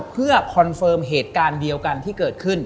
เพื่อคอนเฟิร์มเหตุการณ์เดียวกันที่เกิดขึ้น